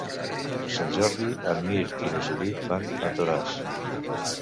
Per Sant Jordi en Mirt i na Judit van a Toràs.